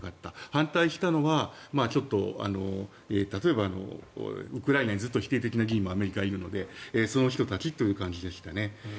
反対したのは例えば、ウクライナにずっと否定的な議員もアメリカはいるのでその人たちという感じですね。